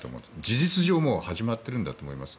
事実上もう始まってるんだと思います。